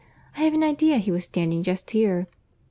I have an idea he was standing just here."